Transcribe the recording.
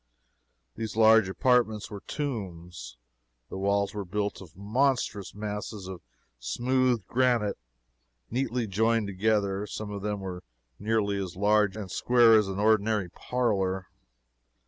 These large apartments were tombs. The walls were built of monstrous masses of smoothed granite, neatly joined together. Some of them were nearly as large square as an ordinary parlor.